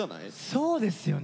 そうですよね。